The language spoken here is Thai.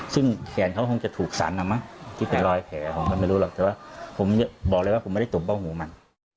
ซึ่งแขนเขาคงจะถูกสันนะมั้งคิดเป็นรอยแผลผมก็ไม่รู้หรอกแต่ว่าผมบอกเลยว่าผมไม่ได้ตบบ้องหูมัน